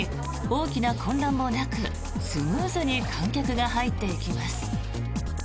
大きな混乱もなくスムーズに観客が入っていきます。